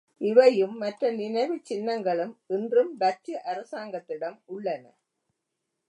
இவையும் மற்ற நினைவுச் சின்னங்களும் இன்றும் டச்சு அரசாங்கத்திடம் உள்ளன.